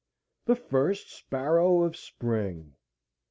The first sparrow of spring!